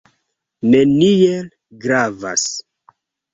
Neniel gravas.